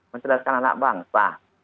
mencerdaskan anak bangsa